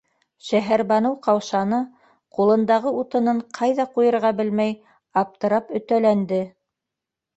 Шәһәрбаныу ҡаушаны, ҡулындағы утынын ҡайҙа ҡуйырға белмәй аптырап өтәләнде.